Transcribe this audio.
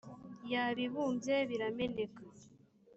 yabibumbye birameneka.